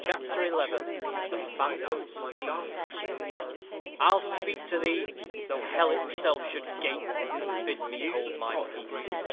CHAPTER XI THE PHANTOM STEED I'll speak to thee, though hell itself should gape, And bid me hold my peace.